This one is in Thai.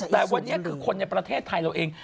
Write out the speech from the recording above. แต่วันนี้คือคนในประเทศไทยเราเอง